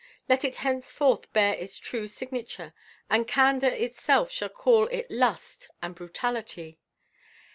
Let it henceforth bear its true signature, and candor itself shall call it lust and brutality.